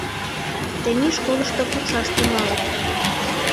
Тений школышто пукшаш тӱҥалыт.